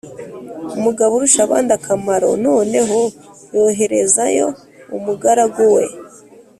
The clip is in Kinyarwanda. mugaburushabandakamaro noneho yoherezayo umugaragu we